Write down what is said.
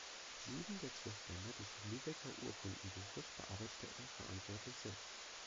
Sieben der zwölf Bände des Lübecker Urkundenbuches bearbeitete er verantwortlich selbst.